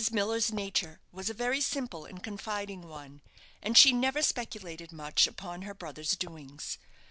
Miller's nature was a very simple and confiding one, and she never speculated much upon her brother's doings.